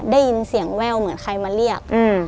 ได้ยินเสียงแว่วเหมือนใครมาเรียก